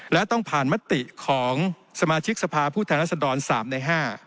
และต้องผ่านมติของสมาชิกสภาพผู้แทนรัศดร๓ใน๕